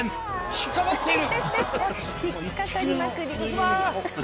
引っ掛かっている。